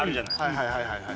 はいはいはいはい。